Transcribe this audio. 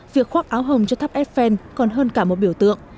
việc khoác áo hồng cho tháp eiffel còn hơn cả một biểu tượng